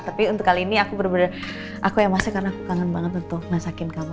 tapi untuk kali ini aku bener bener aku yang masa karena aku kangen banget untuk masakin kamu